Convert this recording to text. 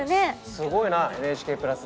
すごいなＮＨＫプラス！